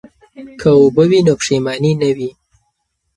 که اوبه وي نو پښیماني نه وي.